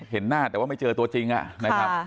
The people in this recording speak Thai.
เห็นหน้าแต่ว่าไม่เจอตัวจริงนะครับ